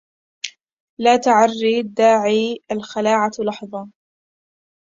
لا تعر داعي الخلاعة لحظا